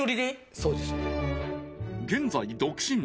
［現在独身］